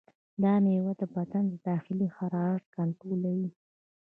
دا میوه د بدن د داخلي حرارت کنټرولوي.